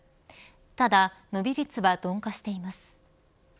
ただ、伸び率は鈍化しています。